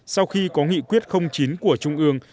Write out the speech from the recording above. sau khi có nghị quyết chín của trung ương